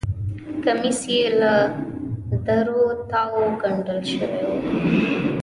کمیس یې له درو تاوو ګنډل شوی و.